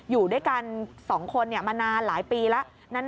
อยู่ด้วยกันสองคนเนี่ยมานานหลายปีแล้ว